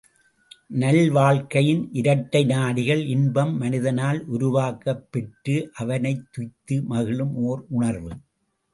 நல்வாழ்க்கையின் இரட்டை நாடிகள் இன்பம் மனிதனால் உருவாக்கப் பெற்று அவனே துய்த்து மகிழும் ஒர் உணர்வு.